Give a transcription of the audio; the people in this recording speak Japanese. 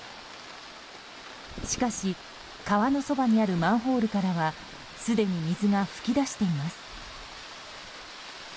しかし、川のそばにあるマンホールからはすでに水が噴き出しています。